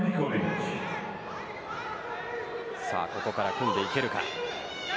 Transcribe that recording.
ここから組んでいけるか。